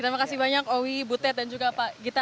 terima kasih banyak owi butet dan juga pak gita